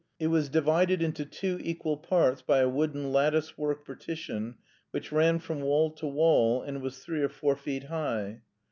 It was divided into two equal parts by a wooden lattice work partition, which ran from wall to wall, and was three or four feet high.